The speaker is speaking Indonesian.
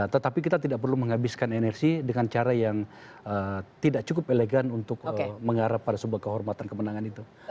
tetapi kita tidak perlu menghabiskan energi dengan cara yang tidak cukup elegan untuk mengarah pada sebuah kehormatan kemenangan itu